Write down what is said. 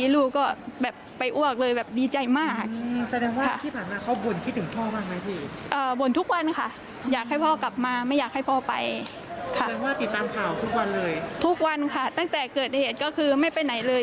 ทุกวันค่ะตั้งแต่เกิดเหตุก็คือไม่ไปไหนเลย